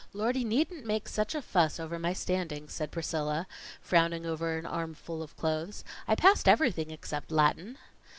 "Lordy needn't make such a fuss over my standing," said Priscilla, frowning over an armful of clothes. "I passed everything except Latin."